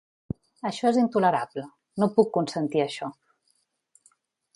Això és intolerable, no puc consentir això.